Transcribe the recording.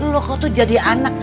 lo kok tuh jadi anak